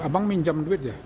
abang minjam duit ya